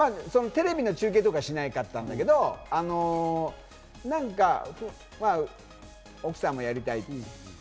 テレビの中継とかしなかったんだけど、奥さんもやりたい。